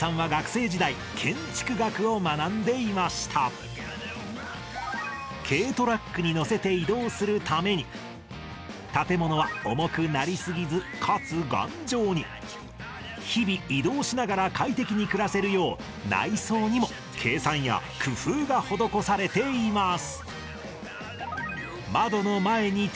実は軽トラックに乗せて移動するために建物は重くなり過ぎずかつ頑丈に日々移動しながら快適に暮らせるよう内装にも計算や工夫が施されています